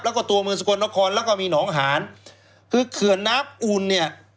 แล้วก็ตัวเมืองสกลนครแล้วก็มีหนองหานคือเขื่อนน้ำอุ่นเนี่ย